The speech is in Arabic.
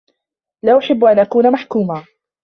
لا أحب أن أكون محكوما